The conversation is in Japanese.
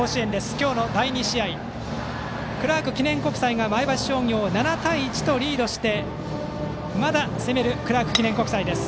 今日の第２試合クラーク記念国際が前橋商業を７対１とリードしてまだ攻めるクラーク記念国際です。